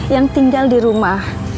yang tinggal di rumah